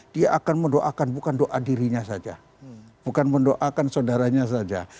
dia akan mendoakan bukan doa dirinya saja bukan mendoakan saudaranya saja